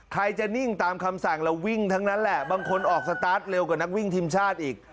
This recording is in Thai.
ใครจะนิ่งตามคำสั่งเราวิ่งทั้งนั้นแหละบางคนออกสตาร์ทเร็วกว่านักวิ่งทีมชาติอีก